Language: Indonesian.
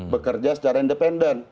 bekerja secara independen